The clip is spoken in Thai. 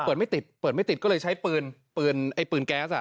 ไม่ติดเปิดไม่ติดก็เลยใช้ปืนปืนไอ้ปืนแก๊สอ่ะ